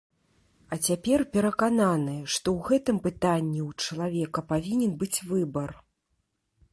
А цяпер перакананы, што ў гэтым пытанні ў чалавека павінен быць выбар.